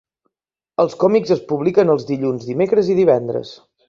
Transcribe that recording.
Els còmics es publiquen els dilluns, dimecres i divendres.